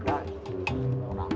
dulu dulu lah me